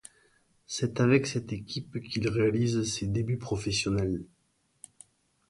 C'est avec cette équipe qu'il réalise ses débuts professionnels.